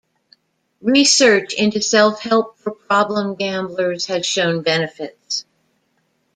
Research into self-help for problem gamblers has shown benefits.